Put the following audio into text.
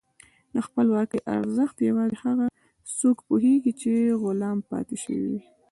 د خپلواکۍ ارزښت یوازې هغه څوک پوهېږي چې غلام پاتې شوي وي.